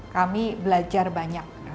kami belajar banyak